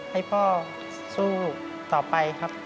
ให้พ่อสู้ต่อไป